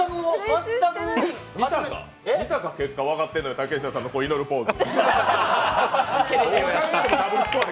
見たか、結果分かってるのに竹下さんの祈るポーズ。